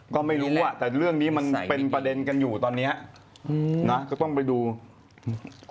ก็ไม่รู้อ่ะแต่เรื่องนี้มันเป็นประเด็นกันอยู่ตอนเนี้ยอืมนะก็ต้องไปดูอืม